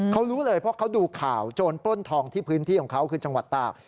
เขารู้เลยเพราะเขาดูข่าวโจรปล้นทองที่พื้นที่ของเขาคือจังหวัดตาก